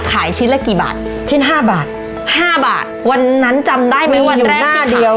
ชิ้นละกี่บาทชิ้นห้าบาทห้าบาทวันนั้นจำได้ไหมวันหน้าเดียว